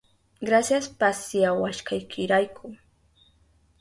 Grasias pasyawashkaykirayku.